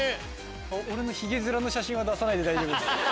俺のヒゲ面の写真は出さないで大丈夫です。